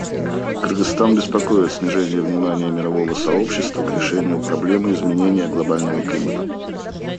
Кыргызстан беспокоит снижение внимания мирового сообщества к решению проблемы изменения глобального климата.